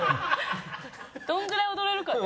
どんぐらい踊れるかね。